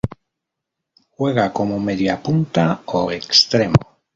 Juega como mediapunta o extremo.